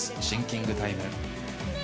シンキングタイム。